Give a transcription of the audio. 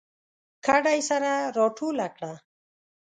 کډه یې سره راټوله کړه